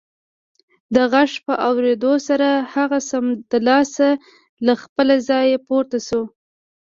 د غږ په اورېدو سره هغه سمدلاسه له خپله ځايه پورته شو